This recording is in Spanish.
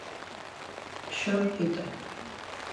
Shun Ito